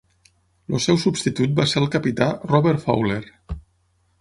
El seu substitut va ser el capità Robert Fowler.